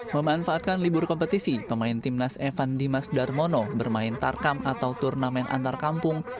memanfaatkan libur kompetisi pemain timnas evan dimas darmono bermain tarkam atau turnamen antar kampung